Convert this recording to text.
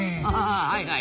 あはいはい。